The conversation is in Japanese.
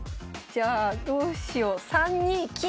じゃあどうしよう３二金。